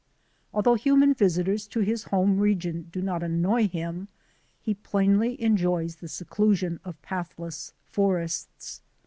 Although human visitors to his home region do not annoy him he plainly enjoys the seclusion of pathless forests.